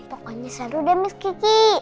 pokoknya seru deh miss gigi